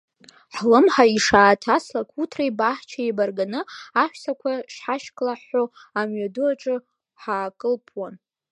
Ҳлымҳа ишааҭаслак, уҭреи баҳчеи еибарганы, аҳәсақәа шҳашьклаҳәҳәо, амҩаду аҿы ҳаакылппуан.